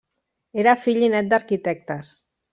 Era fill i nét d'arquitectes.